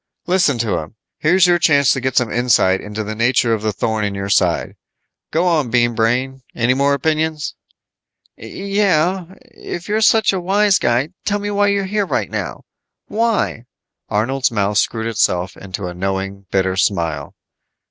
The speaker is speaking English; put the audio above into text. "Listen to him. Here's your chance to get some insight into the nature of the thorn in your side. Go on, Bean Brain. Any more opinions?" "Yeah. If you're such a wise guy, tell me why you're here right now. Why?" Arnold's mouth screwed itself into a knowing, bitter smile.